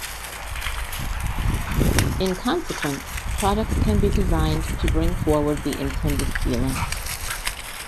In consequence, products can be designed to bring forward the intended feeling.